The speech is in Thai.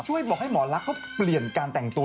คุณช่วยบอกให้หมอรักเค้าเปลี่ยนการแต่งตัว